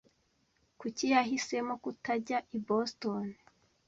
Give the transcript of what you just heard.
Kuki yahisemo kutajya i Boston?